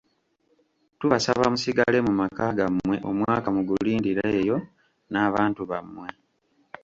Tubasaba musigale mu maka gammwe omwaka mugulindire eyo n'abantu bammwe.